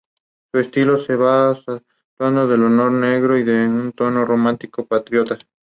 Su estilo se ve saturado de humor negro y de un tono romántico patriota.